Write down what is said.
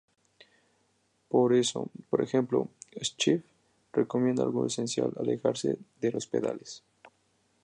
Por eso, por ejemplo, Schiff recomienda algo esencial: "Alejarse de los pedales".